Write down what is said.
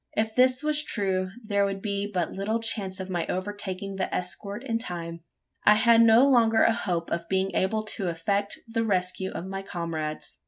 If this was true, there would be but little chance of my overtaking the escort in time. I had no longer a hope of being able to effect the rescue of my comrades.